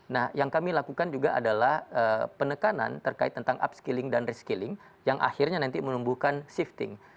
nah yang kami lakukan juga adalah penekanan terkait tentang upskilling dan reskilling yang akhirnya nanti menumbuhkan shifting